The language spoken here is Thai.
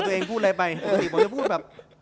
กลัวตัวเองพูดอะไรไปปกติผมจะพูดแบบ